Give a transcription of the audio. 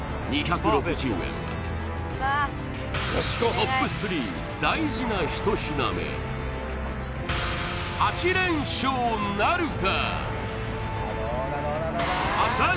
トップ３大事な１品目８連勝なるか？